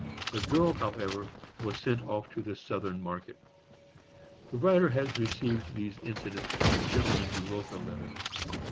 The girl, however, was sent off to the Southern market. The writer has received these incidents from the gentleman who wrote the letter.